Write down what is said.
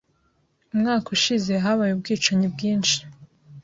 Umwaka ushize habaye ubwicanyi bwinshi.